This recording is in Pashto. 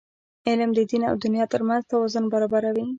علم د دین او دنیا ترمنځ توازن برابروي.